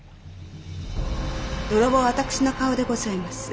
泥棒は私の顔でございます。